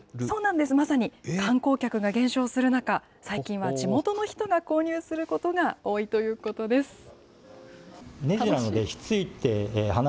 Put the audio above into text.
そうなんです、まさに観光客が減少する中、最近は地元の人が購入することが多いということです。